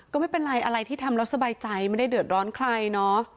ก็ไม่เป็นไรอะไรที่ทำแล้วสบายใจไม่ได้เดือดร้อนใครเนาะ